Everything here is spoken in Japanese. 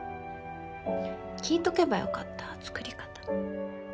聞いとけば良かった作り方。